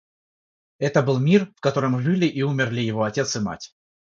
Это был мир, в котором жили и умерли его отец и мать.